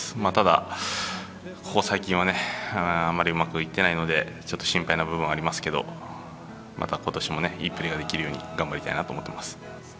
ただここ最近は、あんまりうまくいってないので心配な部分はありますけどまた今年もいいプレーができるように頑張りたいなと思っています。